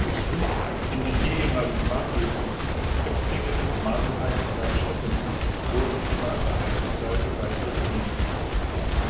In den ehemaligen Bahnhöfen Äpfingen, Maselheim und Reinstetten wurden private Anschlussgleise weiter bedient.